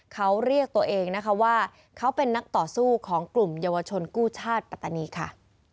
เขาเรียกตัวเองนะคะว่าเขาเป็นนักต่อสู้ของกลุ่มเยาวชนกู้ชาติปัตตานีค่ะ